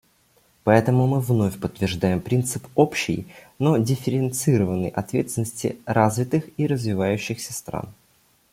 Поэтому мы вновь подтверждаем принцип общей, но дифференцированной ответственности развитых и развивающихся стран.